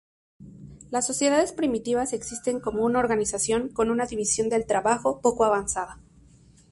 Las sociedades primitivas existen como una organización con una división del trabajo poco avanzada.